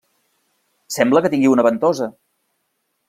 Sembla que tingui una ventosa!